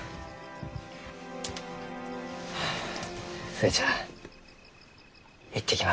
寿恵ちゃん行ってきます。